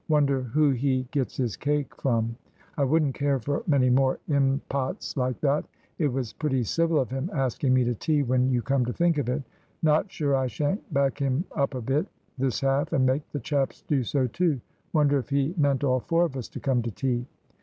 Wonder who he gets his cake from? I wouldn't care for many more impots like that. It was pretty civil of him asking me to tea, when you come to think of it. Not sure I sha'n't back him up a bit this half, and make the chaps do so too. Wonder if he meant all four of us to come to tea?